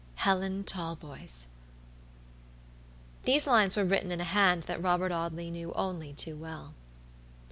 "HELEN TALBOYS." These lines were written in a hand that Robert Audley knew only too well.